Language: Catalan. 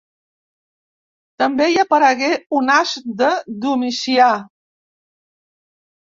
També hi aparegué un as de Domicià.